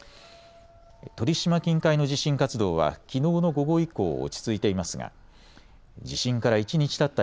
鳥島近海の地震活動はきのうの午後以降、落ち着いていますが地震から一日たった